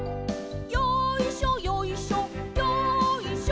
「よいしょよいしょよいしょ」